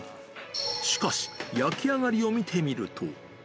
しかし、焼き上がりを見てみると。